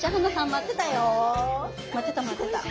待ってた待ってた。